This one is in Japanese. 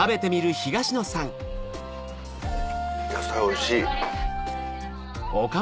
野菜おいしい。